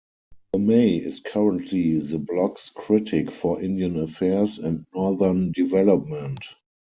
Lemay is currently the Bloc's critic for Indian Affairs and Northern Development.